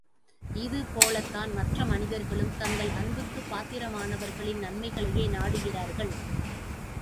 இது போல்தான் மற்ற மனிதர்களும் தங்கள் அன்புக்குப் பாத்திரமானவர்களின் நன்மைகளையே நாடுகிறார்கள்.